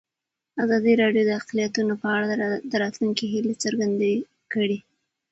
ازادي راډیو د اقلیتونه په اړه د راتلونکي هیلې څرګندې کړې.